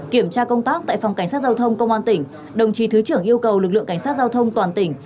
kiểm tra công tác tại phòng cảnh sát giao thông công an tỉnh đồng chí thứ trưởng yêu cầu lực lượng cảnh sát giao thông toàn tỉnh